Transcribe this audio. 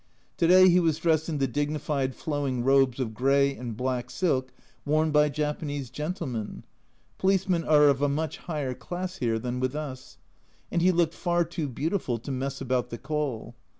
To day he was dressed in the dignified flowing robes of grey and black silk worn by Japanese gentlemen (policemen are of a much higher class here than with us), and he looked far too beautiful to mess about the coal.